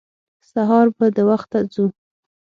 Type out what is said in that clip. سهار به د وخته ځو.